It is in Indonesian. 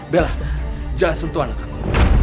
bella jangan sentuh anak aku